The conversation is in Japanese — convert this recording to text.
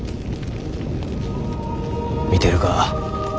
見てるか。